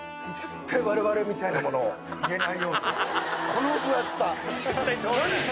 この分厚さ！